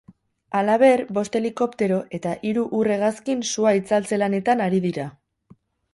Halaber, bost helikoptero eta hiru ur-hegazkin sua itzaltze lanetan ari dira.